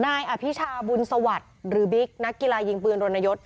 นายอภิชาบุญสวัสดิ์หรือบิ๊กนักกีฬายิงปืนรณยศ